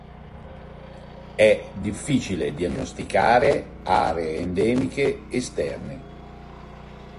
È difficile diagnosticare aree endemiche esterne.